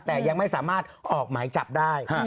แต่ยังไม่สามารถออกหมายจับได้